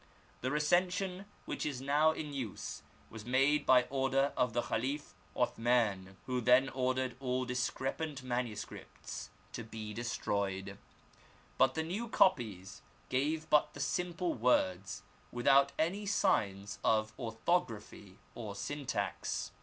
The recension which is now in use was made by order of the Khalif 0th man, who then ordered all discrepant manu scripts to be destroyed ; but the new copies gave but the simple words, without any signs of orthography or syntax.